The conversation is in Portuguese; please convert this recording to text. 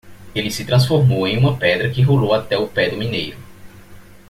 Ele se transformou em uma pedra que rolou até o pé do mineiro.